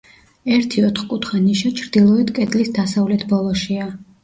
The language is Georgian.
ერთი ოთხკუთხა ნიშა ჩრდილოეთ კედლის დასავლეთ ბოლოშია.